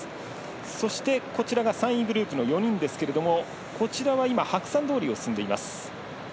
そして、こちらが３位グループの４人ですけどもこちらは白山通りを進んでいます。